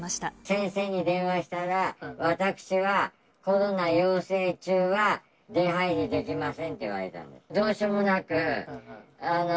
先生に電話したら、私はコロナ陽性中は出入りできませんって言われたの。